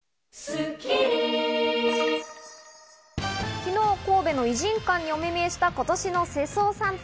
昨日、神戸の異人館にお目見えした今年の世相サンタ。